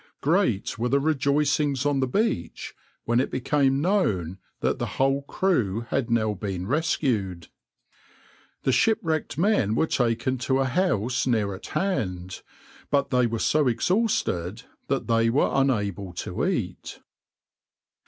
\par Great were the rejoicings on the beach when it became known that the whole crew had now been rescued. The shipwrecked men were taken to a house near at hand, but they were so exhausted that they were unable to eat.